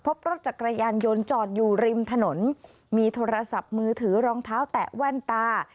พบรถจักรยานยนต์จอดอยู่ริมถนนมีโทรศัพท์มือถือรองเท้าแตะแว่นตา